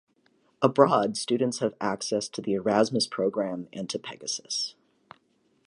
Abroad, students have access to the Erasmus programme and to Pegasus.